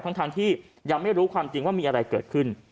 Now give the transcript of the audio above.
ทั้งที่ยังไม่รู้ความจริงว่ามีอะไรเกิดขึ้น